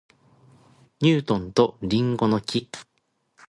ニュートンと林檎の木